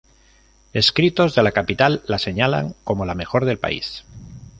Escritos de la capital la señalan como la mejor del país.